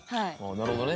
なるほどね。